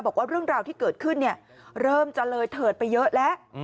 บอกว่าเรื่องราวที่เกิดขึ้นเริ่มจะเลยเถิดไปเยอะแล้ว